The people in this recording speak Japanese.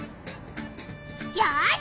よし！